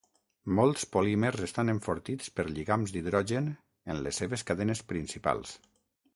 Molts polímers estan enfortits per lligams d'hidrogen en les seves cadenes principals.